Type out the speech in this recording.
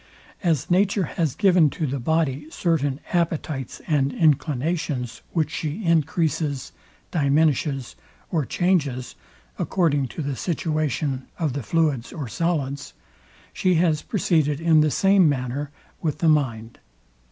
As nature has given to the body certain appetites and inclinations, which she encreases, diminishes, or changes according to the situation of the fluids or solids; she has proceeded in the same manner with the mind.